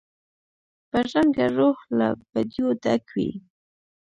بدرنګه روح له بدیو ډک وي